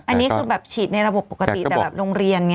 อันนี้คือแบบฉีดในระบบปกติแต่แบบโรงเรียนไง